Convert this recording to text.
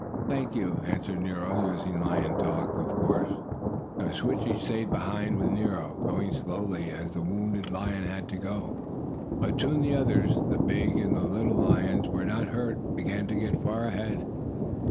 "Thank you," answered Nero, using lion talk, of course. So Switchie stayed behind with Nero, going slowly, as the wounded lion had to go. But soon the others the big and little lions who were not hurt began to get far ahead.